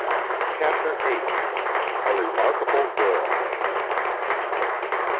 CHAPTER VIII. A REMARKABLE GIRL.